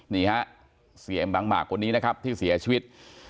นี่ฮะเสียเอ็มบางหมากคนนี้นะครับที่เสียชีวิต